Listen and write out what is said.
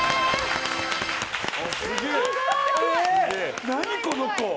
すごい！何この子！